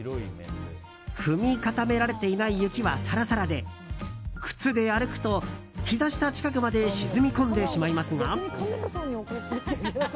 踏み固められていない雪はさらさらで靴で歩くと、ひざ下近くまで沈み込んでしまいますが。